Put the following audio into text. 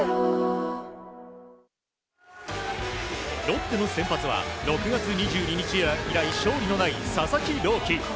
ロッテの先発は６月２２日以来勝利のない佐々木朗希。